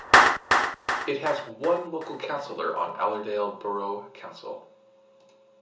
It has one local councillor on Allerdale Borough Council.